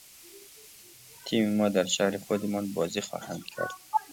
تیم ما در شهر خودمان بازی خواهند کرد.